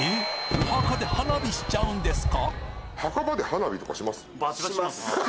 お墓で花火しちゃうんですか！？